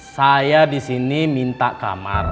saya disini minta kamar